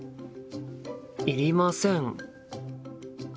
いりません。